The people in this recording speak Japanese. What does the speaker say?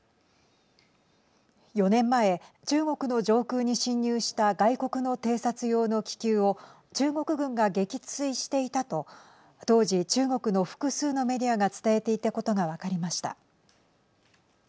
４年前、中国の上空に侵入した外国の偵察用の気球を中国軍が撃墜していたと当時、中国の複数のメディアが伝えていたことが分かりました。